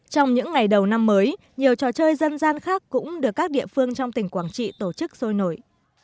trong những ngày đầu năm mới nhiều trò chơi dân gian khác cũng được các địa phương trong tỉnh quảng trị tổ chức sôi nổi